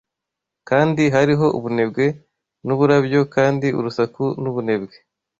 kandi hariho ubunebwe nuburabyo Kandi urusaku nubunebwe,